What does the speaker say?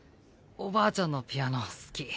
おばあちゃんのピアノ好き。